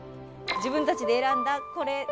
自分たちで選んだこれで。